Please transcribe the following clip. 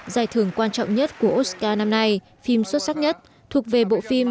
giải thưởng quan trọng nhất của oscar năm nay phim xuất sắc nhất thuộc về bộ phim